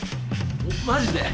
マジで？